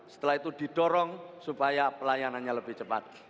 setelah itu didorong supaya pelayanannya lebih cepat